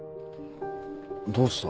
どうした？